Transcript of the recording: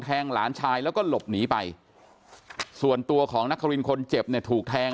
หลานชายแล้วก็หลบหนีไปส่วนตัวของนักครินคนเจ็บเนี่ยถูกแทง